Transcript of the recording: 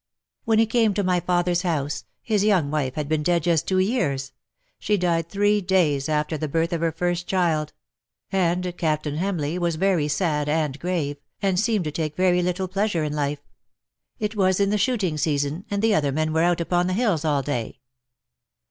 " "When he came to my father's house, his young wife had been dead just two years — she died three days after the birth of her first child — and Captain Hamleighwas very sad and grave, and seemed to take very little pleasure in life. It was in the shooting season, and the other men were out upon the hills all day.''